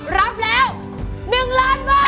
รับแล้ว๑ล้านกว่า